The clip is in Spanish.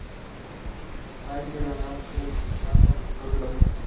Hay que ganarse el pan con el sudor de la frente